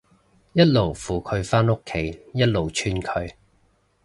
一路扶佢返屋企，一路串佢